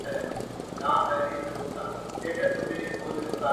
د پښتو ادب نړۍ ده پرې روښانه,